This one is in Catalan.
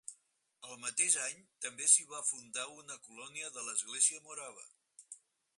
El mateix any també s'hi va fundar una colònia de l'Església Morava.